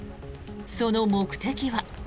その目的は。